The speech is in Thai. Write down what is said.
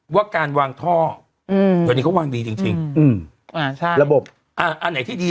ว่าการวางท่ออืมเดี๋ยวนี้เขาวางดีจริงจริงอืมอ่าใช่ระบบอ่าอันไหนที่ดี